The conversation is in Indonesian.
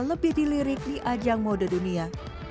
lebih dilirik di ajang mode dunia